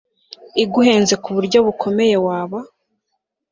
iguhenze kuburyo bukomeye waba